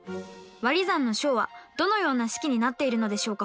わり算の商はどのような式になっているのでしょうか？